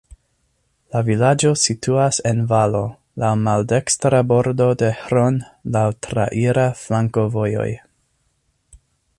La vilaĝo situas en valo, laŭ maldekstra bordo de Hron, laŭ traira flankovojoj.